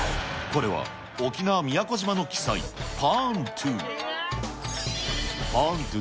これは、沖縄・宮古島の奇祭、パーントゥ。